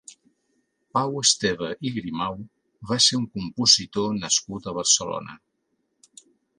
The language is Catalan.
Pau Esteve i Grimau va ser un compositor nascut a Barcelona.